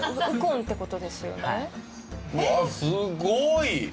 うわっすごい！